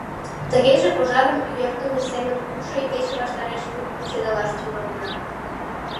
— Тыгеже пожарым йӧртымӧ семын кукшо игече ваштареш кучедалаш тӱҥалына.